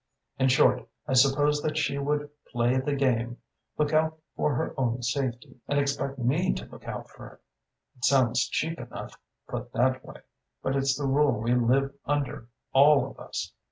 In short, I supposed that she would 'play the game' look out for her own safety, and expect me to look out for it. It sounds cheap enough, put that way but it's the rule we live under, all of us.